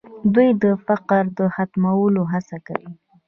دوی د فقر د ختمولو هڅه کوي.